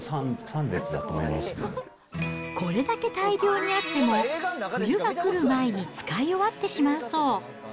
これだけ大量にあっても、冬が来る前に使い終わってしまうそう。